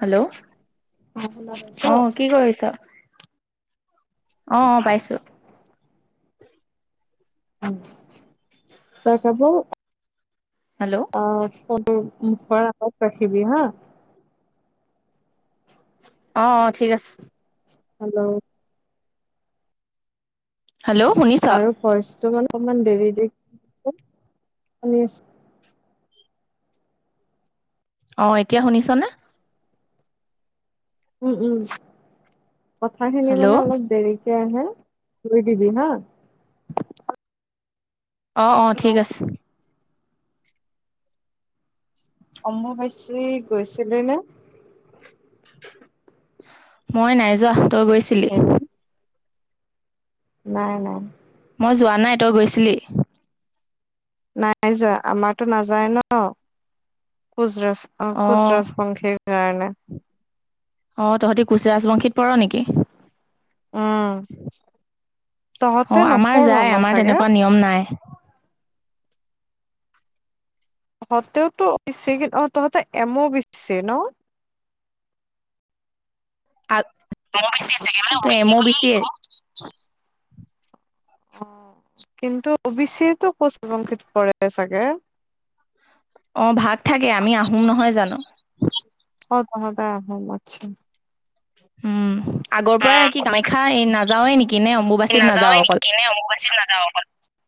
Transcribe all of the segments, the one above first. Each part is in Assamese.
হেল্ল' অ শুনা পাইছ? অহ কি কৰিছ। অ অ পাইছো তই খাব হেল্ল অঁ' [unintelligible] ৰাখিবি হা। অ' অ' ঠিক আছে। হেল্ল'। হেল্ল' শুনিছা? আৰু ভইচটো মানে অকমান দেৰি দেৰিকৈ [unintelligible] শুনি আছোঁ। অঁ' এতিয়া শুনিছানে? উম' উম' কথা খিনি হেল্ল' মানে অলপ দেৰিকে আহে থই দিবি হা। অ' অ' ঠিক আছে। অম্বুবাচী গৈছিলি নে? মই নাই যোৱাৰ, তই গৈছিলি? হেল্ল' নাই নাই। মই যোৱা নাই, তই গৈছিলি? নাই যোৱা। আমাৰতো নাযায় ন, কোজ ৰচ। অঁ' অ কুচৰছ [unintelligible] কাৰণে। অঁ' তহঁতি কুচ ৰাজবংশীত পৰ নেকি? উম। তহঁতে অ' আমাৰ নপঢ় ন যায়, আমাৰ চাগে তেনেকুৱা নিয়ম নাই। তহঁতে [unintelligible] অ', তহঁতে এম অও বিছি ন? আগ তই এম অ' বি চি এ? [unintelligible] অঁ' কিন্তু অবি চি তো কুচবংশিত পৰে চাগে। অঁ' ভাগ থাকে, আমি আহোম নহয় জানো। অঁ, তহঁতে আহোম আচ্ছা'। উমঁ' আগৰ পৰাই কি কামাখ্যা এই নাযাৱে নেকি নে অম্বুবাচীত নাযাওঁ অকল? বাচীত নাযাওঁ অকল।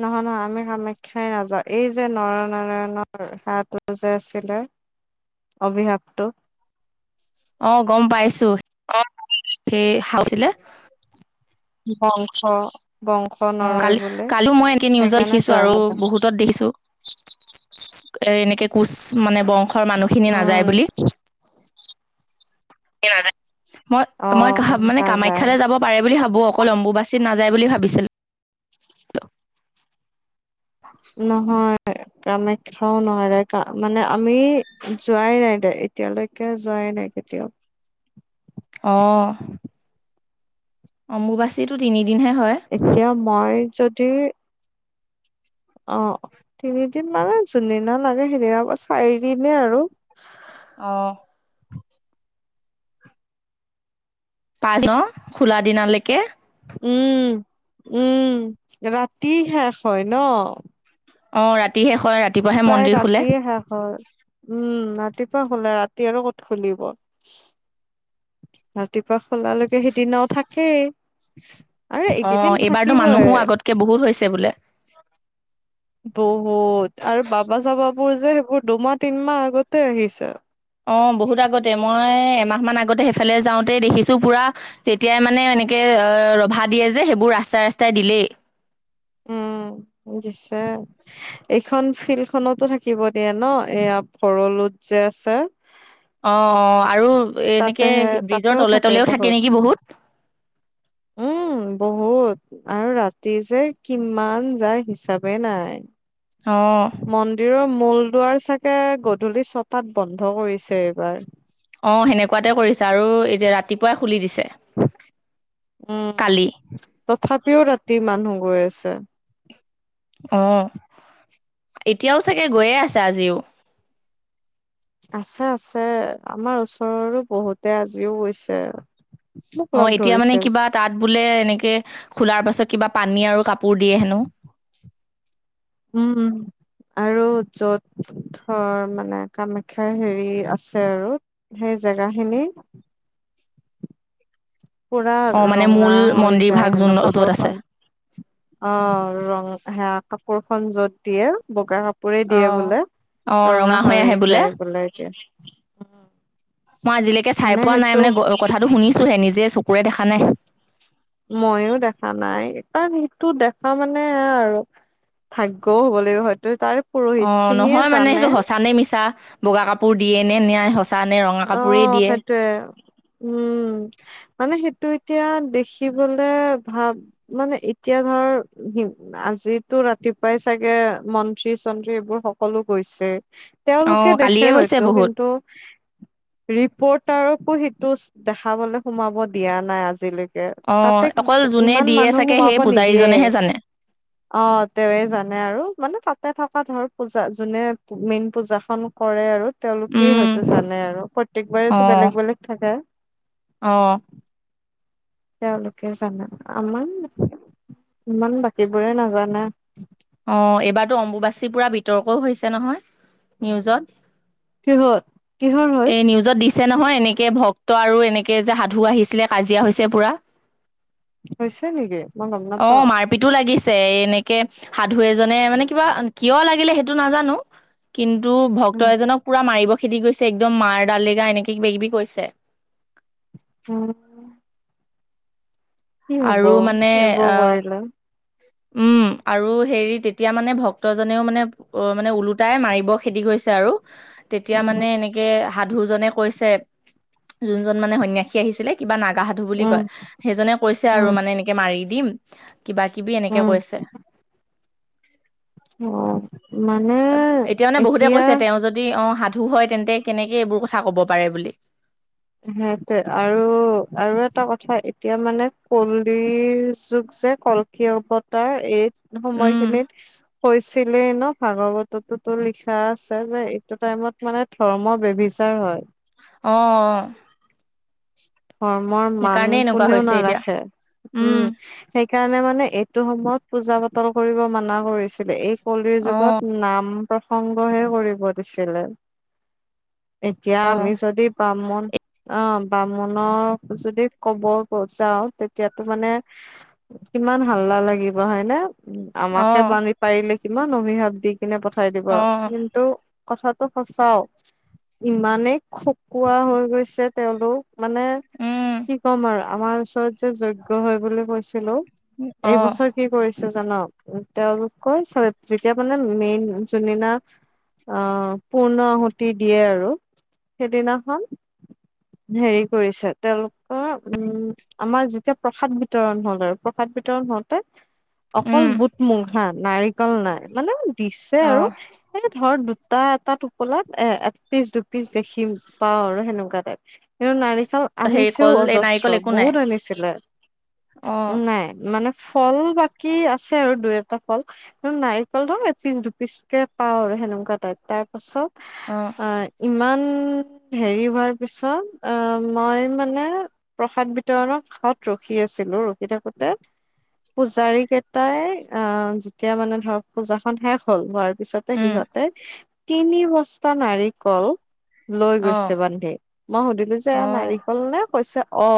নহয় নহয়, আমি কামাখ্যাই নাযাওঁ, এই যে নৰনাৰায়ণৰ সেৱাটো যে আছিলে। অভিশাপটো। অঁ' গম পাইছো সেই [unintelligible] শাও দিলে। [unintelligible] নৰয় কালি বুলি কালিও মই এনেকে নিউজত সেইকাৰণে দেখিছো যোৱা আৰু নাযায় বহুতত দেখিছো। এ এনেকে কোচ মানে বংশ উম। মই মই অ', মানে নাযায় কামাখ্যাালৈ যাব পাৰে বুলি ভাবো, অকল অম্বুবাচীত নাযায় বুলি ভাবিছিলোঁ। নহয়, কামাখ্যাও নহয় দে, মানে আমি যোৱাই নাই দে। এতিয়ালৈকে যোৱাই নাই কেতিয়াও। অঁ। অম্বুবাচীটো তিনিদিনহে হয়। এতিয়া মই যদি অঁ' তিনিদিন মানে যোনদিনা নাযায় সেইদিনা পৰা চাৰিদিনে আৰু। অঁ। [unintelligible] খোলা দিনালৈকে। উমঁ উমঁ' ৰাতি শেষ হয় ন'? অঁ' ৰাতি শেষ হয় ৰাতিপুৱা প্ৰায় ৰাতিয়ে শেষ হয়। উমঁ' ৰাতিপুৱা হ'লে ৰাতি আৰু ক'ত খুলিব। ৰাতিপুৱা খুলালৈকে সিদিনাও থাকেই। আৰু অ এইকেইদিন এইবাৰতো থাকিবই মানুহো আগতকে বহুত হৈছে বোলে বহুত আৰু বাবা চাবাবোৰ যে সেইবোৰ দুমাহ তিনমাহ আগতে আহিছে আৰু অ বহুত আগতে মই এমাহ মান আগতে সেইফালে যাওঁতেই দেখিছো পুৰা তেতিয়াই মানে এনেকে অ ৰভা দিয়ে যে সেইবোৰ ৰাস্তাই ৰাস্তাই দিলেই উম দিছে এইখন ফিল্ড খনতো থাকিব দিয়ে ন এয়া ভৰলোত যে আছে অ অ আৰু এনেকে তাতেহে তাতেও ব্ৰিজৰ তলে তলেও বহুত থাকে নেকি বহুত উম বহুত আৰু ৰাতি যে কিমান যায় হিচাপে নাই অঁ মন্দিৰৰ মূল দুৱাৰ চাগে গধূলি ছটাত বন্ধ কৰিছে এইবাৰ অ সেনেকুৱাতে কৰিছে আৰু এতিয়া ৰাতিপুৱাই খুলি দিছে উম কালি। তথাপিও ৰাতি মানুহ গৈ আছে অ এতিয়াও চাগে গৈয়ে আছে আজিও আছে আছে আমাৰ ওচৰৰো বহুতে আজিও গৈছে মোক অ লগ এতিয়া মানে ধৰিছিল। কিবা তাত বোলে এনেকে খোলাৰ পাছত কিবা পানী আৰু কাপোৰ দিয়ে হেনো উম উম আৰু য'ত থৰ মানে কামাখ্যাৰ হেৰি আছে আৰু সেই জেগা খিনি পুৰা অ', মানে ৰঙা মূল হৈ মন্দিৰ ভাগ যায় যোন হেনো য'ত আছে। কাপোৰখন অ ৰং হেয়া কাপোৰ খন যত দিয়ে বগা কাপ পোৰে দিয়ে অ', বোলে ৰঙা হৈ যায় বোলে এতিয়া মই আজিলেকে চাই মানে পোৱা নাই সেইটো মানে গ কথাটো শুনিছোহে নিজে চকুৰে দেখা নাই মইও দেখা নাই এবাৰ সেইটো দেখা মানে এয়া আৰু ভাগ্যও হ'ব লাগিব হয়তো তাৰ অ নহয় মানে সেইটো সঁচা নে মিছা বগা কাপোৰ দিয়ে নে নিয়াই সঁচা নে ৰঙা কাপোৰেই দিয়ে কে উম মানে সেইটো এতিয়া দেখিবলে ভাব মানে এতিয়া ধৰ হিম আজিতো ৰাতিপুৱাই চাগে মন্ত্ৰী চন্ত্ৰী এইবোৰ সকলো গৈছে তেওঁলোকে অ' দেখে কালিয়ে গৈছে হয়তো বহুত কিন্তু ৰিপৰ্টাৰকো সেইটোছ দেখাবলে সোমাব দিয়া নাই আজিলৈক কে অ' তাতে অকল যোনে ইমান দিয়ে মানুহ চাগে সেই সোমাব নিদিয়ে পূজাৰীজনেহে জানে অ তেৱে জানে আৰু মানে তাতে থকা ধৰ পূজা যোনে মেইন পূজাখন কৰে আৰু তেওঁলোকেই উম হয়তোছ জানে আৰু প্ৰত্যেকবাৰেতো অ' বেলেগ বেলেগ থাকে অ' তেওঁলোকে জানে আমান ইমান বাকীবোৰে নাজানে অ এইবাৰতো অম্বুবাচীৰ পূৰা বিতৰ্কও হৈছে নহয় নিউজত কিহত কিহৰ হৈ এই নিউজত দিছে নহয় এনেকে ভক্ত আৰু এনেকে যে সাধু আহিছিলে কাজিয়া হৈছে পুৰা হৈছে নেকি মই গম অ নাপাও মাৰ পিটো লাগিছে এনেকে সাধু এজনে মানে কিবা কিয় লাগিলে সেইটো নাজানো কিন্তু ভক্ত উম এজনক পুৰা মাৰিব খেদি গৈছে একদম মাৰ ডাললেগা এনেকে কিবা কিবি কৈছে অ কি হব আৰু মানে এইবোৰ অ' কৰিলে উম আৰু হেৰি তেতিয়া মানে ভক্তজনেও মানে অ মানে ওলোটাই মাৰিব খেদি গৈছে আৰু তেতিয়া উম মানে এনেক কে সাধু জনে কৈছে যোনজন মানে সন্যাসী আহিছিলে কিবা নাগা ধু বুলি উম কয় সেইজনে কৈছে আৰু উম মানে এনেকে মাৰি দিম কিবা কিবি এনেকে উম কৈছে অ মানে এতিয়া মানে বহুতে কৈছে তেওঁ যদি অ সাধু হয় তেন্তে কেনেকে এইবোৰ কথা কব পাৰে বুলি সেইটোৱে আৰু আৰু এটা কথা এতিয়া মানে কলিৰ যুগ যে কল কি অৱতাৰ এই উম, সময়খিনিত হৈছিলেই ন ভাগৱতোতো লিখা আছে যে এইটো টাইমত মানে ধৰ্ম বেভিচাৰ হয় অঁ অ ধৰ্মৰ মান সেইকাৰণে এনেকুৱা কোনেও হৈছে এতিয়া নাৰাখে উম সেইকাৰণে মানে এইটো সময়ত পূজা পাতল কৰিব মানা কৰিছিলে এই কলিৰ যুগত অ', নাম প্ৰসংগহে কৰিব দিছিলে এতিয়া আমি অ', যদি বামুন অ বাম মনৰ যদি ক'ব যাওঁ তেতিয়াতো মানে কিমান হাল্লা লাগিব হয়নে উ আমাকে অ', পানী পাৰিলে কিমান অভিশাপ দি কিনে পঠাই দিব আৰু অ', কিন্তু কথাটো সচাও ইমানেই খকুৱোৱা হৈ গৈছে তেওঁলোক মানে উম, কি ক'ম আৰু আমাৰ ওচৰত যজ্ঞ হয় বুলি কৈছিলো অ', এইবছৰ কি কৰিছে জান তেওঁলোকৰ চৈত যেতিয়া মানে মেইন যোনদিনা অহ পূৰ্ণ আহুতি দিয়ে আৰু সেইদিনাখন হেৰি কৰিছে তেওঁলোকৰ উম আমাৰ যেতিয়া প্ৰসাদ বিতৰণ হ'ল আৰু প্ৰসাদ বিতৰণ হওঁতে অকল উম, বুট মুগ হা নাৰিকল নাই মানে দিছে আৰু অ'। এ ধৰ দুটা এটা টোপোলাত এ একপিচ দুপিচ দেখি প পাও আৰু সেনেকুৱা টাইপ কিন্তু নাৰিকল হেৰি আনিছেও কল এই অজস্ৰ নাৰিকল একো নাই বহুত আনিছিলে অ নাই মানে ফল বাকী আছে আৰু দুই এটা ফল নাৰিকলটো একপিচ দুপিচকে পাও আৰু সেনেকুৱা টাইত তাৰ পাছত অঁ অ ইমান হেৰি হোৱাৰ পিছত আ মই মানে প্ৰসাদ বিতৰণৰ কাষত ৰখি আছিলো ৰখি থাকোতে পূজাৰী কেইটাই আ যেতিয়া মানে ধৰক পূজাখন শেষ হ'ল হোৱাৰ পিছতে উম সিহঁতে তিনি বস্তা নাৰিকল লৈ অ গৈছে বান্ধি মই সুধিলো যে অ নাৰিক হ'ল নে কৈছে অ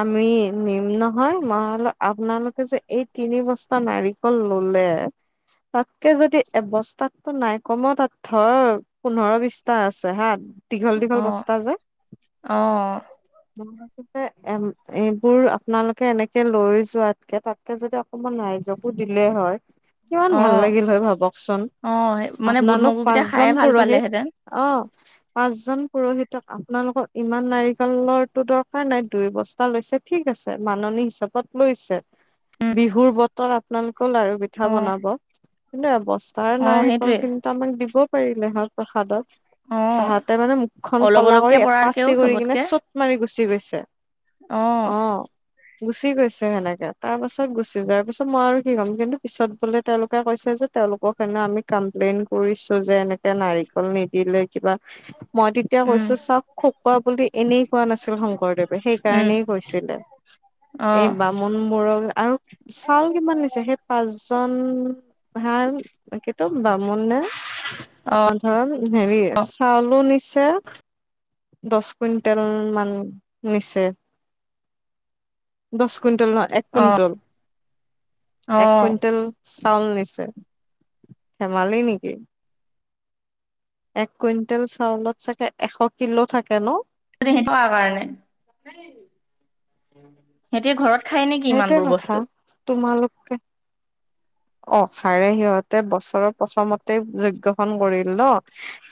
আমি নিম নহয় মই ভাবিলো আপোনালোকে যে এই তিনি বস্তা নাৰিকল ল'লে তাতকে যদি এবস্তাত নাই কমঔ তাত ধৰ পোন্ধৰ বিশটা আছে হা দীঘল দীঘল অ বস্তা যে অ মই কৈছো যে এ এইবোৰ আপোনালোকে এনেকে লৈ যোৱাতকে তাতকে যদি আপ অকণমান ৰাইজকো দিলে হয় কিমান অ ভাল লাগিল হয় ভাবকচোন অ মানে বুট আপোনালোক মগুকেইটা পাঁচজন খায়ে ভাল পুৰোহিত পালেহেঁতেন অ পাঁচজন পুৰোহিত আম আপোনালোকৰ ইমান নাৰিকলৰটো দৰকাৰ নাই দুই বস্তা লৈছে ঠিক আছে মাননী হিচাপত- লৈছে, উম বিহুৰ বতৰত- আপোনালোকৰ লাৰু পিঠা অ বনাব, কিন্তু এৱস্তাৰ অ নাৰিকল সেইটোৱে খিন- আমাক দিব পাৰিলে হয় প্ৰসাদত, অ তাহাঁতে মানে মুখন অলপ ক'লা অলপকে কৰি- পৰাকেও এপাচি কৰি কিনে চবতকে চুত মাৰি গুচি গৈছে, অ অহ। গুচি গৈছে সেনেকে তাৰ পাছত গুচি যোৱাৰ পিছত মই আৰু কি কম কিন্তু পিছত বোলে তেওঁলোকে কৈছে যে- তেওঁলোকৰ কাৰণে আমি কমপ্লেইন কৰিছো যে এনেকে নাৰিকল নিদিলে কিবা- মই তেতিয়া উম কৈছো চাওঁক- খোকোৱা বুলি এনেই কোৱা নাছিল শংকৰদেৱে উম সেইকাৰণেই কৈছিলে, অ এই বা ব্ৰাক্ষ্মণ বোৰক আৰু চাউল কিমান দিছে সেই পাঁচজন- ভাল সেইটো ব্ৰাক্ষ্মণ নে- অ ধৰা হেৰি চাউলো নিছে। দহ কুইণ্টেল মান নিচে। দহ কুইণ্টল নহয়, এক অ কুইণ্টল অ এক কুইণ্টল- চাউল নিছে, ধেমালি নেকি। এক কুইণ্টেল চাউলত চাগে এশ কিলো থাকে ন। [unintelligible] কাৰণে। সিহঁতে ঘৰত খায় নেকি ইমান সেইটোৱে বোৰ কথা বস্তু? তোমালোকে- অ হাৰে সিহঁতে বছৰৰ প্ৰথমতে যোগ্যখন কৰিল ন।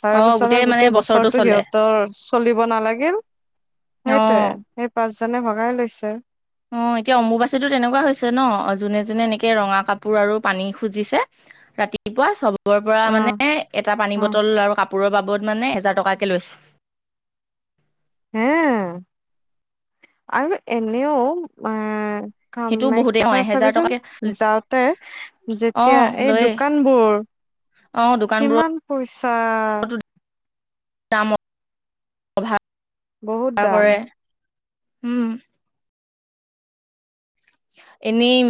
তাৰ অ পিছত আৰু মানে গোটেই বছৰটো চলে সিহঁতৰ চলিব নালাগিল। অ। সেইটোয়ে সেই পাঁচজনে ভগাই লৈছে। অ এতিয়া অম্বুবাচীটো তেনেকুৱা হৈছে ন যোনে যোনে এনেকে ৰঙা কাপোৰ আৰু পানী খুজিছে। ৰাতিপুৱা চবৰ পৰা মানে অ এটা পানী অ বটল আৰু কাপোৰৰ বাবদ মানে এহাজাৰ টকাকে লৈছে। হে, আৰু এনেও আহ- সেইটোও বহুতেই অ কামাখ্যা এহেজাৰ চাবিচোন টকাকে যাওঁতে অ যেতিয়া এই লয়ে দোকান বোৰ- অ দোকান বোৰত- পইচা। দাম, বহুত অভাৰ দাম কৰে, উম। এনেই।